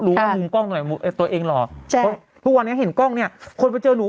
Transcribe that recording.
รู้ว่าลุงกล้องหน่อยตัวเองหรอใช่ทุกวันนี้เห็นกล้องเนี้ยคนมาเจอหนู